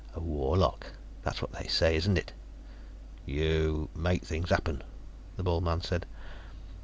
A warlock. That's what they say, isn't it?" "You make things happen," the bald man said.